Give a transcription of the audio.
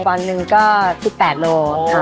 เส่นวันหนึ่งก็๑๘โล